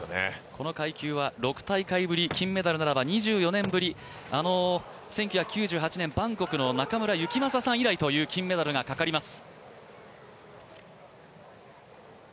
この階級は６大会ぶり、金メダルならが２４年ぶり、１９９８年バンコクの中村行成さん以来という金メダルがかかります。